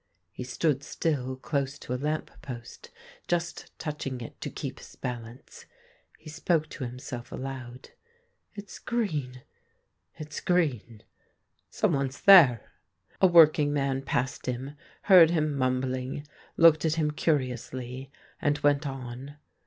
He stood still close to a lamp post, just touching it to keep his balance. He spoke to himself aloud :' It's green ... it's green ... someone's there !' A working man passed him, heard him mumbling, looked at him curi ously, and went on.